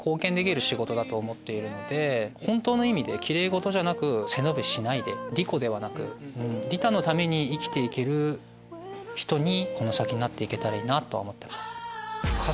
本当の意味できれいごとじゃなく背伸びしないで利己ではなく利他のために生きていける人にこの先なっていけたらいいなとは思ってます。